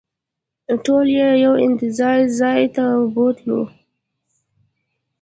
ټول یې یو انتظار ځای ته بوتلو.